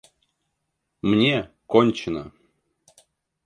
Мне — кончено!